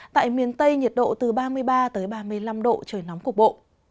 tại miền tây nhiệt độ từ ba mươi ba đến ba mươi bốn độ